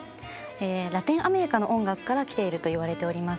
ラテンアメリカの音楽からきていると言われております。